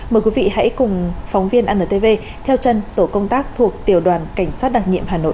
mời quý vị hãy cùng phóng viên antv theo chân tổ công tác thuộc tiểu đoàn cảnh sát đặc nhiệm hà nội